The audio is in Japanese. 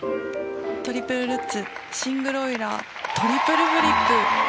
トリプルルッツシングルオイラートリプルフリップ。